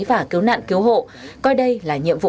và cứu nạn cứu hộ coi đây là nhiệm vụ